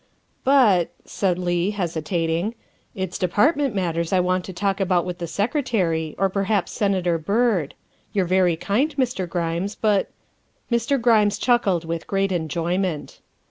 ''" But," said Leigh, hesitating, " it's Department matters I want to talk about with the Secretary, or per haps Senator Byrd. You're very kind, Mr. Grimes, but " Mr. Grimes chuckled with great enjoyment.